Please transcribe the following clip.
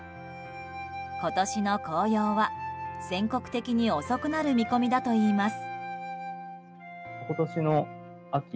今年の紅葉は全国的に遅くなる見込みだといいます。